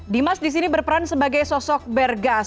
dimas di sini berperan sebagai sosok bergas